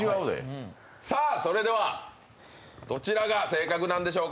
それではどちらが正確なんでしょうか。